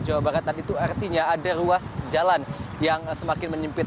jawa baratan itu artinya ada ruas jalan yang semakin menyimpit